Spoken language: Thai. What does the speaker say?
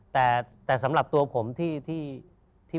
แต่สำหรับตัวผมที่